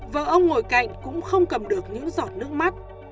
vợ ông ngồi cạnh cũng không cầm được những giọt nước mắt